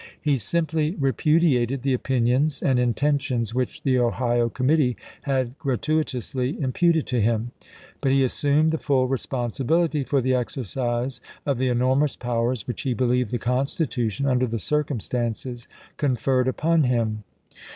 He simply repudiated the opinions and intentions which the Ohio committee had gratuitously im puted to him. But he assumed the full responsi bility for the exercise of the enormous powers which he believed the Constitution, under the circum stances, conferred upon him.